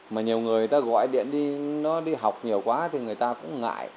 mà nhiều người ta gọi điện đi học nhiều quá thì người ta cũng ngại